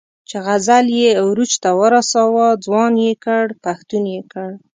چې غزل یې عروج ته ورساوه، ځوان یې کړ، پښتون یې کړ.